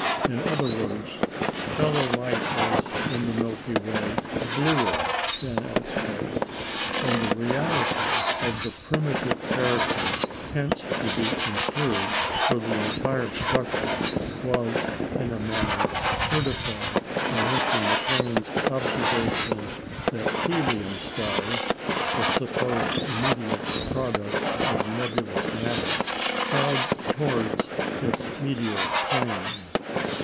In other words, stellar light is, in the Milky Way, bluer than elsewhere. And the reality of the primitive character hence to be inferred for the entire structure was, in a manner, certified by Mr. McClean's observation that Helium stars the supposed immediate products of nebulous matter crowd towards its medial plane.